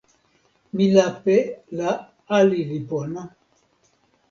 mi lape la ali li pona.